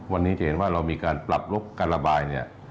วันนี้จะเห็นว่าเรามีการปรับลบการระบายเนี่ย